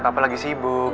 papa lagi sibuk